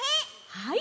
はい。